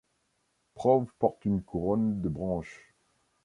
Prov porte une couronne de branches.